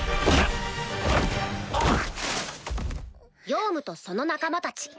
ヨウムとその仲間たち